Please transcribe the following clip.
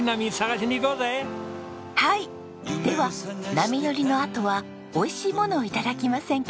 では波乗りのあとは美味しいものを頂きませんか？